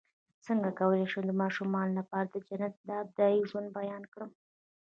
څنګه کولی شم د ماشومانو لپاره د جنت د ابدي ژوند بیان کړم